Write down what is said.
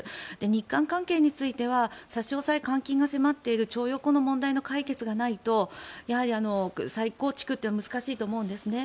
日韓関係については差し押さえ、換金が迫っている徴用工問題の解決がないと再構築というのは難しいと思うんですね。